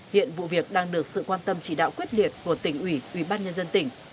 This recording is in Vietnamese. hiện vụ việc đang được sự quan tâm chỉ đạo quyết liệt của tỉnh ủy ủy ban nhân dân tỉnh